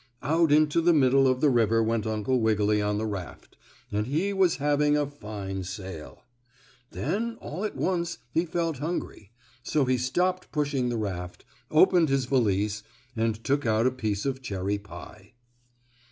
Out into the middle of the river went Uncle Wiggily on the raft, and he was having a fine sail. Then all at once he felt hungry, so he stopped pushing the raft, opened his valise and took out a piece of cherry pie.